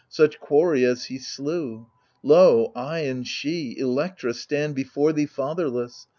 Such quarry as he slew. Lo ! I and she, Electra, stand before thee, fatherless.